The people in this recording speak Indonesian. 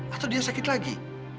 atau dia sakit lagi